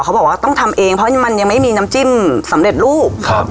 เขาบอกว่าต้องทำเองเพราะมันยังไม่มีน้ำจิ้มสำเร็จรูปครับ